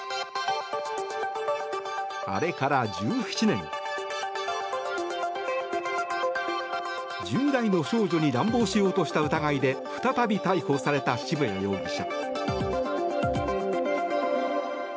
あれから１７年、１０代の少女に乱暴しようとした疑いで再び逮捕された渋谷容疑者。